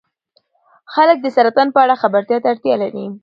خلک د سرطان په اړه خبرتیا ته اړتیا لري.